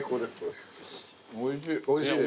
おいしい。